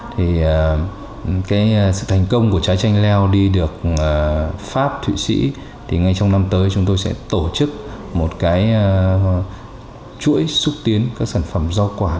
thì cái sự thành công của trái chanh leo đi được pháp thụy sĩ thì ngay trong năm tới chúng tôi sẽ tổ chức một cái chuỗi xúc tiến các sản phẩm rau quả